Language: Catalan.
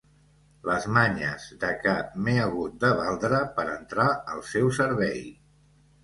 Les manyes de què m'he hagut de valdre per entrar al seu servei!